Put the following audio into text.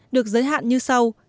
được giới hạn như sau